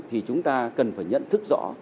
thì chúng ta cần phải nhận thức rõ